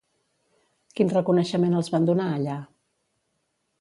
Quin reconeixement els van donar allà?